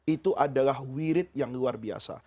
itu adalah wirid yang luar biasa